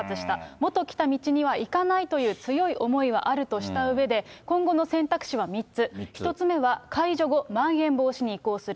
もと来た道には行かないという強い思いはあるとしたうえで、今後の選択肢は３つ、１つ目は解除後、まん延防止に移行する。